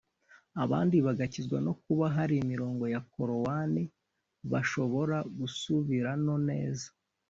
abandi bagakizwa no kuba hari imirongo ya Korowani bashobora gusubirano neza